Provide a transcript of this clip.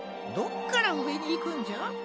どっからうえにいくんじゃ？